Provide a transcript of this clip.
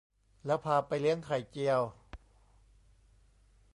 แล้วพาไปเลี้ยงไข่เจียว